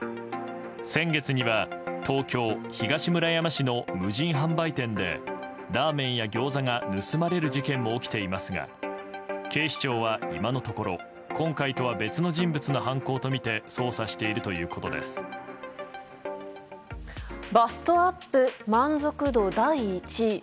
先月には東京・東村山店の無人販売店でラーメンやギョーザが盗まれる事件も起きていますが警視庁は今のところ今回とは別の人物の犯行とみてバストアップ、満足度大１位。